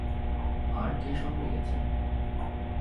আর কে সঙ্গে গেছেন?